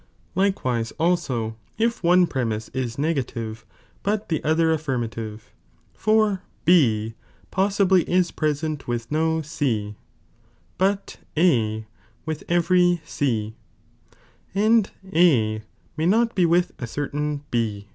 * Likewise also if one premise is negative, s but the otter affirmative, for B possibly is present '' with no C but A with every C, and A may not be with a certain B.